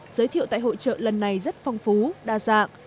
giới thiệu tại hội trợ lần này rất phong phú đa dạng